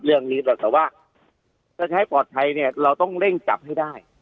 เรื่องนี้แต่ว่าถ้าใช้ปลอดภัยเนี่ยเราต้องเร่งจับให้ได้